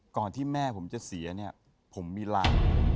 ที่แม่ผมจะเสียเนี่ยผมมีรัง